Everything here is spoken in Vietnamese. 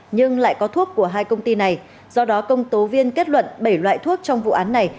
nhưng lại có thuốc của hai công ty này do đó công tố viên kết luận bảy loại thuốc trong vụ án này